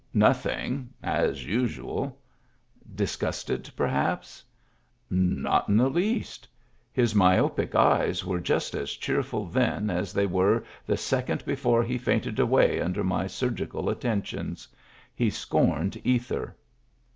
" Nothing, as usual." " Disgusted, perhaps ?"" Not in the least. His myopic eyes were just as cheerful then as they were the second be fore he fainted away under my surgical attentions. He scorned ether."